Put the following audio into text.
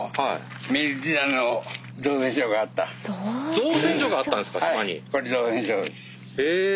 造船所があったんですか？